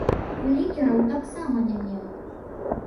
Флікераў таксама не меў.